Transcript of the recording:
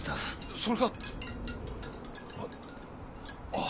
それがああ。